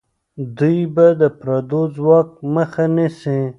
دوی به د پردیو ځواک مخه نیسي.